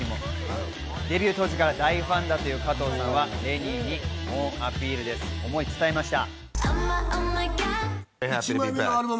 デビュー当時から大ファンだという加藤さんは、レニーに猛アピールです、思いを伝えました。